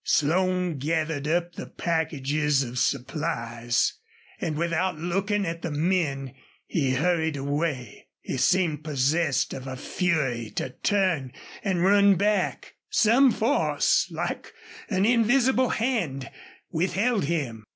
Slone gathered up the packages of supplies, and without looking at the men he hurried away. He seemed possessed of a fury to turn and run back. Some force, like an invisible hand, withheld him.